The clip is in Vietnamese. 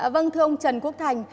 vâng thưa ông trần quốc thành